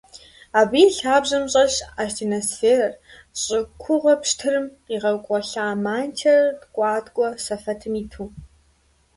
Абы и лъабжьэм щӀэлъщ астеносферэр: щӀы кугъуэ пщтырым къигъэкъуэлъа мантиер ткӀуаткӀуэ сэфэтым иту.